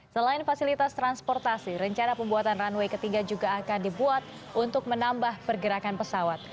selain fasilitas transportasi rencana pembuatan runway ketiga juga akan dibuat untuk menambah pergerakan pesawat